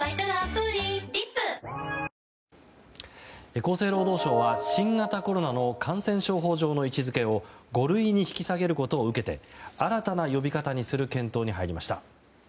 厚生労働省は新型コロナの感染症法上の位置づけを５類に引き下げることを受けて新たな呼び方にする検討に入りました。